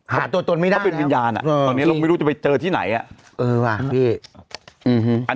หาตัวไม่ได้เป็นยานไม่รู้จะไปเจอที่ไหนอ่ะเออว่าพี่อัน